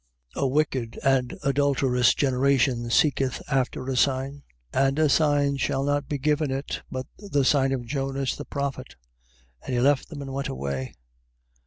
16:4. A wicked and adulterous generation seeketh after a sign: and a sign shall not be given it, but the sign of Jonas the prophet. And he left them, and went away.